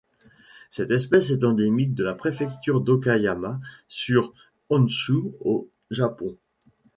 Cette espèce est endémique de la préfecture d'Okayama sur Honshū au Japon.